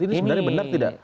ini sebenarnya benar tidak